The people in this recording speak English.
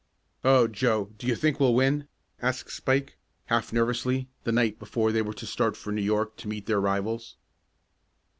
"Oh, Joe, do you think we'll win?" asked Spike, half nervously, the night before they were to start for New York to meet their rivals.